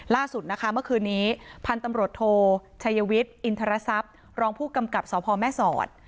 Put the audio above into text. ล่าสุดนะคะเมื่อคืนนี้พันธุ์ตำรวจโทชัยวิทย์อินทรทรัพย์รองผู้กำกับสพแม่สอด